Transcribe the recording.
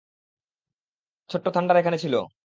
ছোট্ট থান্ডার এখানে ছিল।